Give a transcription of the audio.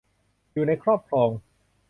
อยู่ในครอบครอง